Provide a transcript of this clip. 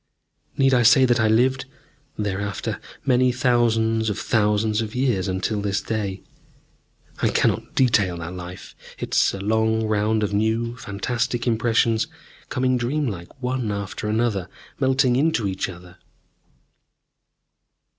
Need I say that I lived, thereafter, many thousands of thousands of years, until this day? I cannot detail that life. It is a long round of new, fantastic impressions, coming dream like, one after another, melting into each other.